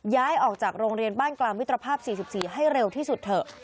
ย้ายออกจากโรงเรียนบ้านกลางมิตรภาพ๔๔ให้เร็วที่สุดเถอะ